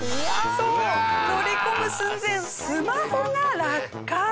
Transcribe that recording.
そう乗り込む寸前スマホが落下。